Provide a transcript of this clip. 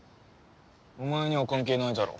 お前には関係ないだろ。